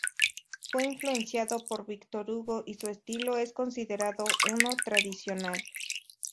Fue influenciado por Victor Hugo y su estilo es considerado uno tradicional.